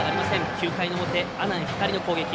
９回の表阿南光の攻撃。